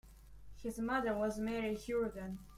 His mother was Mary Hourigan.